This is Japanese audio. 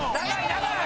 長い！